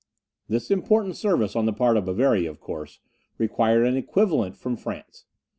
This important service on the part of Bavaria, of course, required an equivalent from France.